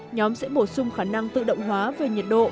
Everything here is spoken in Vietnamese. nhóm sẽ bổ sung khả năng tự động hóa về nhiệt độ